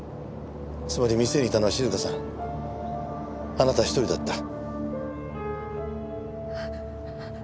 つまり店にいたのは静香さんあなた一人だった。